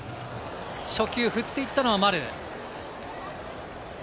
初球、振っていったのは丸。